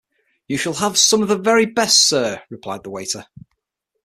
‘You shall have some of the very best, sir,’ replied the waiter.